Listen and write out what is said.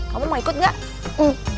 kamu mau ikut gak